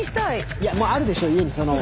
いやもうあるでしょ家にその。